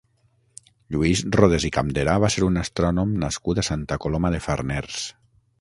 Lluís Rodés i Campderà va ser un astrònom nascut a Santa Coloma de Farners.